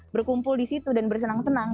berkumpul di situ dan bersenang senang